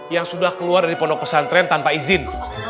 yang sudah keluar dari pondok pesantren tanpa izin